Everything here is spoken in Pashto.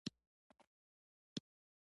د پولیس لپاره څه شی اړین دی؟